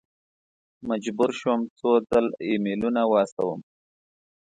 مجبور شوم څو ځل ایمیلونه واستوم.